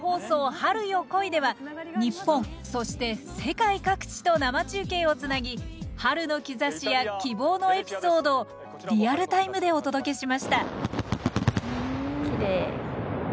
春よ、来い！」では日本そして世界各地と生中継をつなぎ春の兆しや希望のエピソードをリアルタイムでお届けしましたきれい。